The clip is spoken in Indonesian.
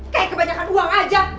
kayak kebanyakan uang aja